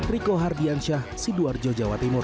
riko hardiansyah sidoarjo jawa timur